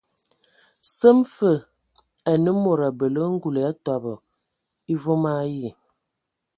Səm fə anə mod abələ ngul atɔbɔ e vom ayi.